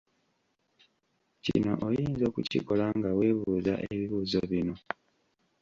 Kino oyinza okukikola nga weebuuza ebibuuzo bino.